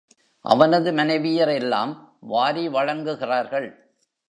அவனது மனைவியர் எல்லாம் வாரி வழங்குகிறார்கள்.